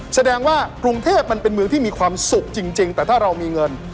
แสดงว่ากรุงเทพมันเป็นเมืองที่มีความสุขจริงแต่ถ้าเรามีเงิน